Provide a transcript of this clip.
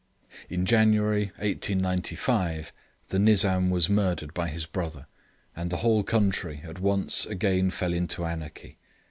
In January, 1895, the Nizam was murdered by his brother, and the whole country at once again fell into anarchy.